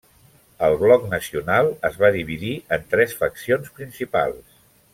El Bloc Nacional es va dividir en tres faccions principals.